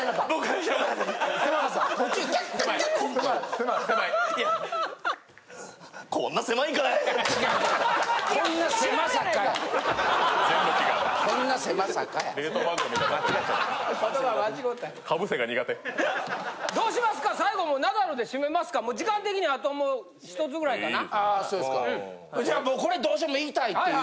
じゃあもうこれどうしても言いたいっていう。